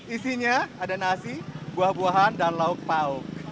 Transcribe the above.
isinya ada nasi buah buahan dan lauk pauk